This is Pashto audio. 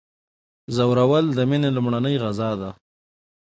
ځورول د میني لومړنۍ غذا ده.